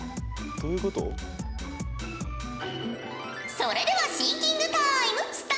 それではシンキングタイムスタートじゃ！